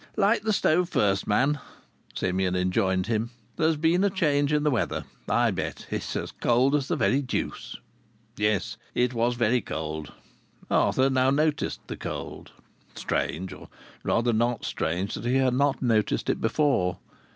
"Light the stove first, man," Simeon enjoined him. "There's been a change in the weather, I bet. It's as cold as the very deuce." Yes, it was very cold. Arthur now noticed the cold. Strange or rather not strange that he had not noticed it before!